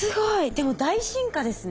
でも大進化ですね。